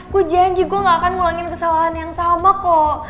ku janji gue gak akan ngulangin kesalahan yang sama kok